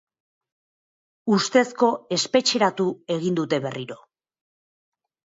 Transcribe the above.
Ustezko espetxeratu egin dute berriro.